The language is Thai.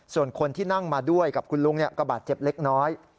ส่วนคนที่นั่งมาด้วยกับคุณลุงก็บาดเจ็บเล็กน้อย